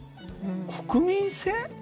国民性？